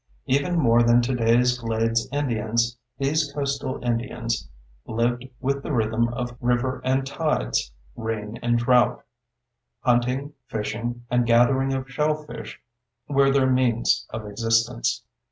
Even more than today's glades Indians, these coastal Indians lived with the rhythm of river and tides, rain and drought. Hunting, fishing, and gathering of shellfish were their means of existence.